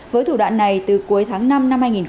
với thủ đoạn này từ cuối tháng năm năm hai nghìn hai mươi